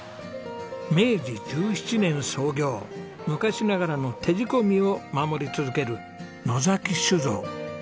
明治１７年創業昔ながらの手仕込みを守り続ける野酒造。